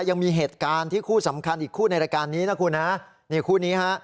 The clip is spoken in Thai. ยังมีเหตุการณ์ที่คู่สำคัญอีกคู่ในรายการนี้นะคุณฮะนี่คู่นี้ฮะ